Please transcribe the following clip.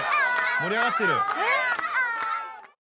盛り上がってる」